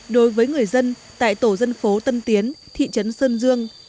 đối với người dân tại tổ dân phố tân tiến thị trấn sơn dương